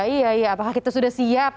iya iya apakah kita sudah siap